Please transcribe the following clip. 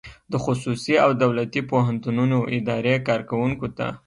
د خصوصي او دولتي پوهنتونونو اداري کارکوونکو ته